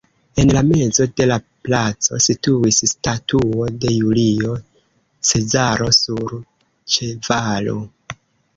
En la mezo de la placo situis statuo de Julio Cezaro sur ĉevalo.